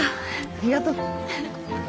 ありがとう。